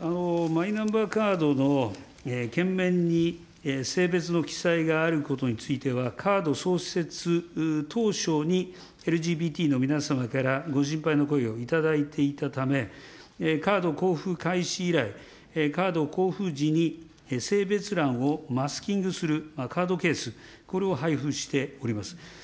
マイナンバーカードの券面に性別の記載があることは、カード創設当初にＬＧＢＴの皆様からご心配の声をいただいていたため、カード交付開始以来、カード交付時に性別欄をマスキングするカードケース、これを配付しております。